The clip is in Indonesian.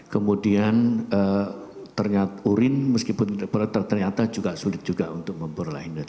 kemudian urin meskipun ternyata juga sulit juga untuk memperoleh